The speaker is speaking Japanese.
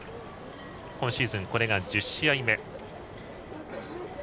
今シーズン、これが１０試合目。